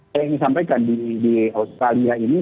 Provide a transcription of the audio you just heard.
saya ingin sampaikan di australia ini